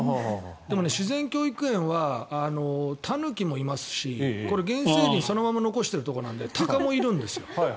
でも自然教育園はタヌキもいますし、原生林をそのまま残しているところなのでタカもいるんですよ。